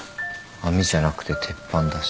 網じゃなくて鉄板だし。